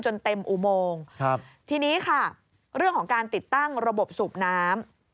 เต็มอุโมงครับทีนี้ค่ะเรื่องของการติดตั้งระบบสูบน้ำ